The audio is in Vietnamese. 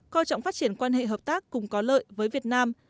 coi trọng phát triển quan hệ hợp tác cùng có lợi với việt nam